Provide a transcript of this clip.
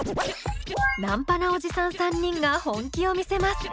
ナンパなおじさん３人が本気を見せます。